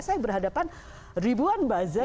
saya berhadapan ribuan buzzer